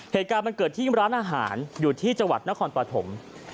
เหตุการณ์มันเกิดที่ร้านอาหารอยู่ที่จังหวัดนครปฐม